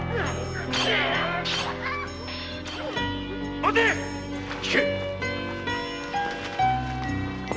待て‼退け！